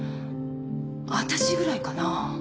私ぐらいかな。